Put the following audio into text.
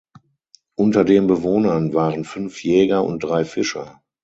Unter den Bewohnern waren fünf Jäger und drei Fischer.